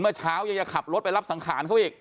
เมื่อเช้ายังจะขับรถไปรับสังขารเขาอีก